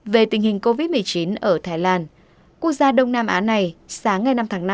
về tình hình covid một mươi chín ở thái lan quốc gia đông nam á này sáng ngày năm tháng năm